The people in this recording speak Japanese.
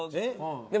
でも。